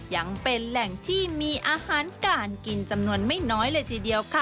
ยังเป็นแหล่งที่มีอาหารการกินจำนวนไม่น้อยเลยทีเดียวค่ะ